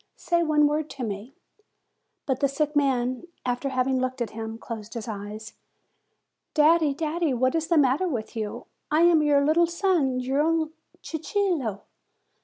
Say one word to me." But the sick man, after having looked at him, closed his eyes. "Daddy! daddy! What is the matter with you? I am your little son your own Cicillo."